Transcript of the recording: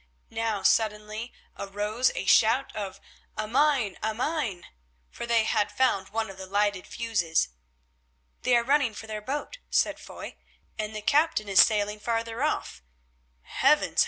Now suddenly arose a shout of "A mine! a mine!" for they had found one of the lighted fuses. "They are running for their boat," said Foy, "and the captain is sailing farther off. Heavens!